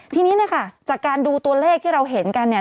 ทีนี้เนี่ยค่ะจากการดูตัวเลขที่เราเห็นกันเนี่ย